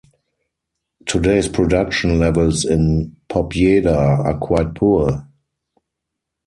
Today’s production levels in Pobjeda are quite poor.